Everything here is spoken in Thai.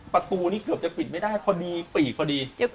ประตูนี้เกือบจะปิดไม่ได้พอดีปีกพอดี